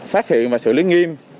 phát hiện và xử lý nghiêm